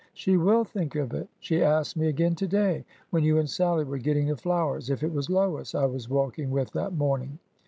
" She will think of it. She asked me again to day, when you and Sallie were getting the flowers, if it was Lois I was walking with that morning.